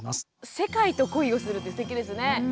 世界と恋をするってすてきですね。